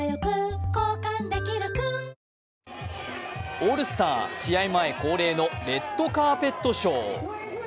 オールスター、試合前恒例のレッドカーペットショー。